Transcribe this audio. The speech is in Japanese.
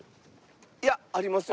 いやありますよ。